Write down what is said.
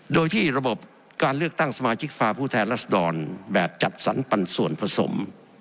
โดยที่ระบบการเลือกตั้งสมาชิกสภาพผู้แทนรัศดรแบบจัดสรรปันส่วนผสม